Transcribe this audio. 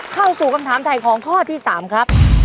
เข้าสู่คำถามถ่ายของข้อที่๓ครับ